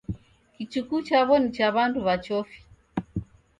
Kichuku chaw'o ni cha w'andu w'a chofi.